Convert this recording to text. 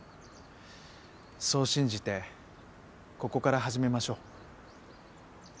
そう信じてここから始めましょう。